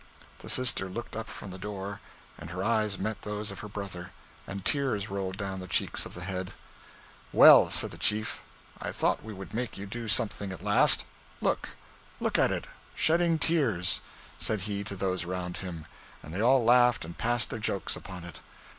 The sister looked up from the door, and her eyes met those of her brother, and tears rolled down the cheeks of the head. 'Well,' said the chief, 'I thought we would make you do something at last. Look! look at it shedding tears,' said he to those around him; and they all laughed and passed their jokes upon it.